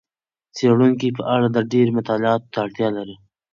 څېړونکي په اړه ډېرې مطالعاتو ته اړتیا لري.